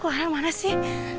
clara mana sih